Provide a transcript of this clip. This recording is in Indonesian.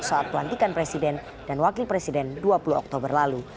saat pelantikan presiden dan wakil presiden dua puluh oktober lalu